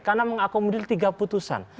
karena mengakomodir tiga putusan